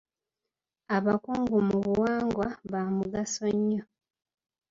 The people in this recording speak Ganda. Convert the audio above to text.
Abakungu mu buwangwa ba mugaso nnyo.